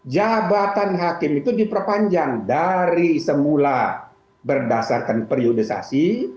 jabatan hakim itu diperpanjang dari semula berdasarkan periodisasi